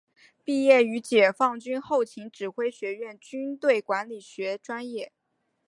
毕业于解放军后勤指挥学院军队管理学专业。